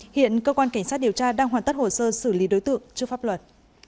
hiện cơ quan cảnh sát điều tra đang hoàn tất hồ sơ xử lý đối tượng trước pháp luật